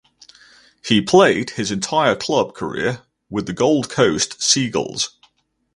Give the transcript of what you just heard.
He played his entire club career with the Gold Coast Seagulls.